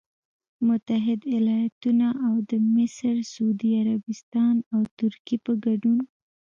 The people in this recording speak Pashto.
متحدوایالتونو او د مصر، سعودي عربستان او ترکیې په ګډون